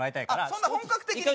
そんな本格的に？